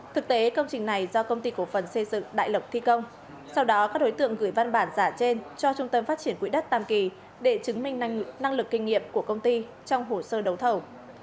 thực tế công trình này do công ty cổ phần xây dựng đại lộc thi công sau đó các đối tượng gửi văn bản giả trên cho trung tâm phát triển quỹ đất tam kỳ để chứng minh năng lực kinh nghiệm của công ty trong hồ sơ đấu thầu